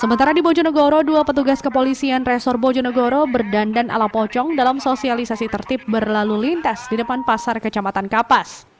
sementara di bojonegoro dua petugas kepolisian resor bojonegoro berdandan ala pocong dalam sosialisasi tertib berlalu lintas di depan pasar kecamatan kapas